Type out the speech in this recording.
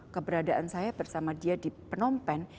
keberadaan saya bersama dia di phnom penh